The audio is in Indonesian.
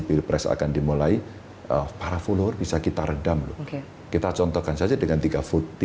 pilpres akan dimulai para follower bisa kita redam loh kita contohkan saja dengan tiga